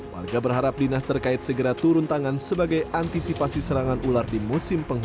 warga berharap dinas terkait segera turun tangan sebagai antisipasi serangan ular di musim penghuni